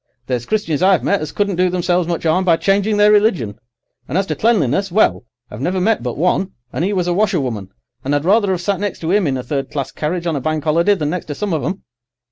There's Christians I've met as couldn't do themselves much 'arm by changing their religion; and as to cleanliness, well, I've never met but one, and 'e was a washerwoman, and I'd rather 'ave sat next to 'im in a third class carriage on a Bank 'Oliday than next to some of 'em.